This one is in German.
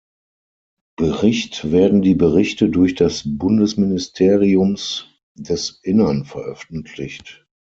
Bericht werden die Berichte durch das Bundesministeriums des Innern veröffentlicht.